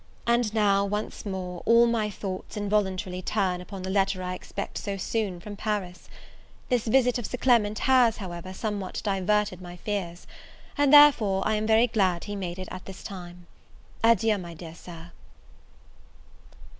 And now, once more, all my thoughts involuntarily turn upon the letter I so soon expect from Paris. This visit of Sir Clement has, however, somewhat diverted my fears; and, therefore, I am very glad he made it at this time. Adieu, my dear Sir.